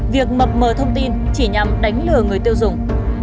việc mập mờ thông tin chỉ nhằm đánh lừa người tiêu dùng